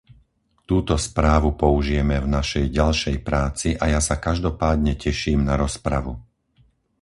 Túto správu použijeme v našej ďalšej práci a ja sa každopádne teším na rozpravu.